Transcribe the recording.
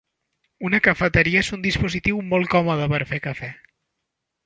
Una cafeteria és un dispositiu molt còmode per fer cafè.